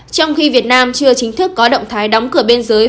trong khi việt nam chưa chính thức có động thái đóng cửa bên dưới